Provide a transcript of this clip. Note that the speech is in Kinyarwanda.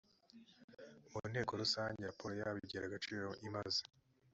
mu nteko rusange raporo yabo igira agaciro imaze